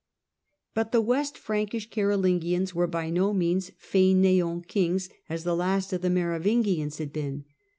But the West Frankish Carolingians were by no means faineant kings, as the last of the Merovingians had been.